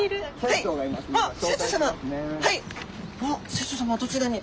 船長様はどちらに？